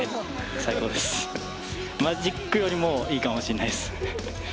マジックよりもいいかもしんないです。